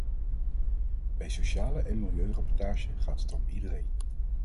Bij sociale en milieurapportage gaat het om iedereen.